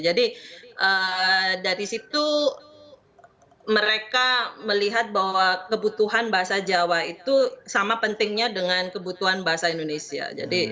jadi dari situ mereka melihat bahwa kebutuhan bahasa jawa itu sama pentingnya dengan kebutuhan bahasa indonesia